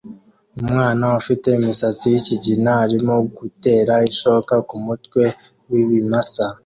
Umwana ufite imisatsi yikigina arimo gutera ishoka kumutwe wibimasa